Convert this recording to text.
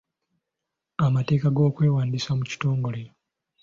Amateeka g'okwewandiisa mu kitongole.